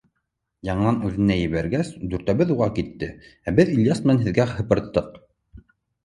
Яңынан үҙенә ебәргәс, дүртәүбеҙ уға китте, ә беҙ Ильяс менән һеҙгә һыпырттыҡ.